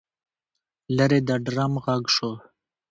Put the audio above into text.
لرې د ډرم غږ شو.